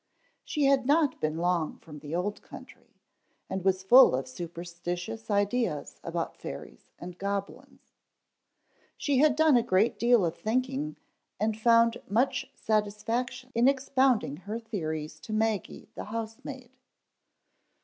She had not been long from the old country and was full of superstitious ideas about fairies and goblins. She had done a great deal of thinking and found much satisfaction in expounding her theories to Maggie, the housemaid.